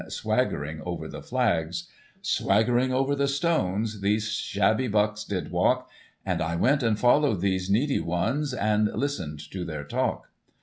Swaggering over the flags :" Swaggering over the stones. Those shabby bucks did walk; And I went and followed those needy ones, And listened to their talk.